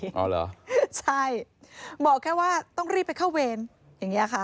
อ๋อเหรอใช่บอกแค่ว่าต้องรีบไปเข้าเวรอย่างนี้ค่ะ